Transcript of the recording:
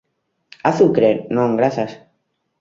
Azucre? Non, grazas...